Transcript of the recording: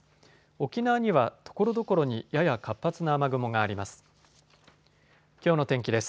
沖縄にはところどころにやや活発な雨雲があります。